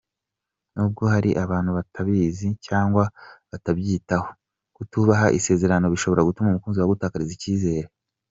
Nubwo hari abantu batabizi cyangwa batabyitaho, kutubaha isezerano bishobora gutuma umukunzi wawe agutakariza icyizere.